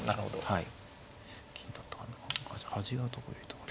はい。